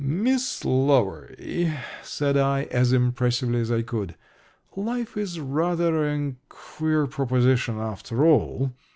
"Miss Lowery," said I, as impressively as I could, "life is rather a queer proposition, after all."